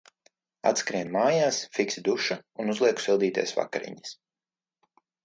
Atskrienu mājās, fiksi duša un uzlieku sildīties vakariņas.